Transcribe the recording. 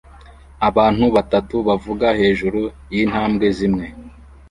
Abantu batatu bavuga hejuru yintambwe zimwe